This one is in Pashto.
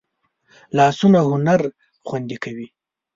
لاسونه هنر خوندي کوي